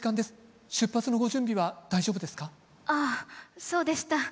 ああそうでした。